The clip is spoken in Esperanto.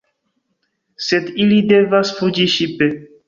Sed ili devas fuĝi ŝipe.